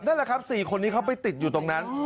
นั่นแหละครับ๔คนนี้เขาไปติดอยู่ตรงนั้น